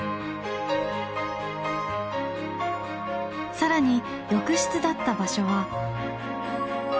更に浴室だった場所は。